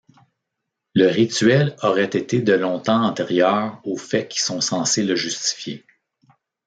Le rituel aurait été de longtemps antérieur aux faits qui sont censés le justifier.